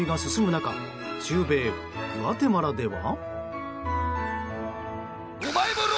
中米グアテマラでは。